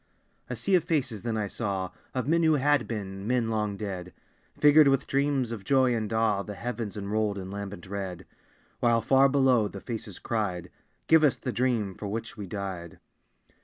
A sea of faces then I saw, Of men who had been, men long dead. Figured with dreams of joy and awe The heavens unrolled in lambent red; While far below the faces cried "Give us the dream for which we died!"